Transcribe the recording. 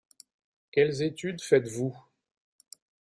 Quelles études faites-vous ?